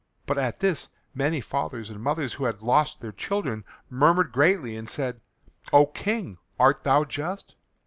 But at this many fathers and mothers who had lost their children murmured greatly and said, "O King, art thou just?